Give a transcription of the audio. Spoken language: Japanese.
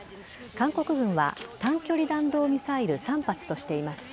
韓国軍は短距離弾道ミサイル３発としています。